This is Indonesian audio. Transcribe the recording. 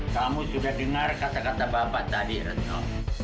kamu sudah dengar kata kata bapak tadi retno